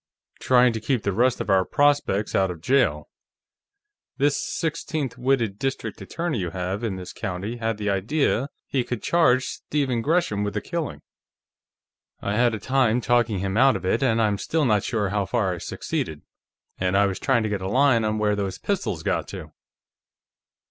"Trying to keep the rest of our prospects out of jail. This sixteenth witted District Attorney you have in this county had the idea he could charge Stephen Gresham with the killing. I had a time talking him out of it, and I'm still not sure how far I succeeded. And I was trying to get a line on where those pistols got to."